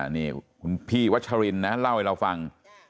นี่คุณพี่วัชรินนะเล่าให้เราฟัง